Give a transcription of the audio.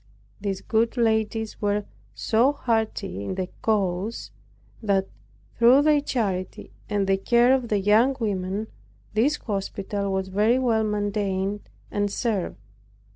These good ladies were so hearty in the cause, that, through their charity, and the care of the young women, this hospital was very well maintained and served.